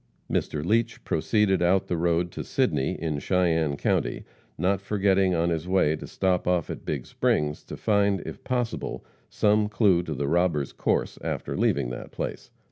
Mr. Leach proceeded out the road to Sidney, in Cheyenne county, not forgetting on his way to stop off at Big Springs to find, if possible, some clue to the robbers' course after leaving that place.